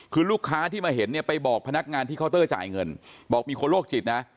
คือลูกค้าที่มาเห็นเนี่ยไปบอกพนักงานที่เคาน์เตอร์จ่ายเงินบอกมีคนโรคจิตนะ